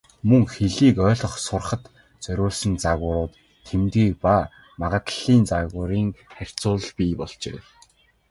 Мөн хэлийг ойлгох, сурахад зориулсан загварууд, тэмдгийн ба магадлалын загварын харьцуулал бий болжээ.